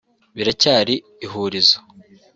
Biracyari ihurizo